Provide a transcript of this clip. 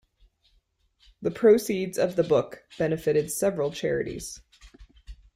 The proceeds of the book benefited several charities.